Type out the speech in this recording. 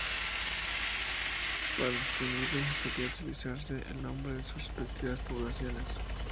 Para distinguirlos se solía utilizarse el nombre de sus respectivas poblaciones.